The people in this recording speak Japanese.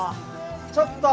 ちょっと。